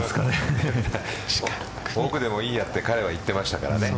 奥でもいいやと彼は言ってましたからね。